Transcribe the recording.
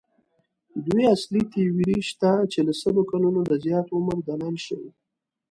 دوې اصلي تیورۍ شته چې له سلو کلونو د زیات عمر دلایل ښيي.